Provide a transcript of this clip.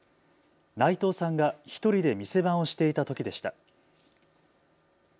内藤さんが１人で店番をしていたときでした。